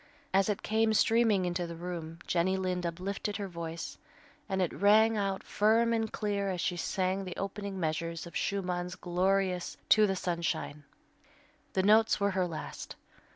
As it came streaming into the room, Jenny Lind uplifted her voice, and it rang out firm and clear as she sang the opening measures of Schumann's glorious "To the Sunshine." The notes were her last.